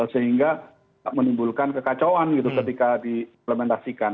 sehingga menimbulkan kekacauan gitu ketika diimplementasikan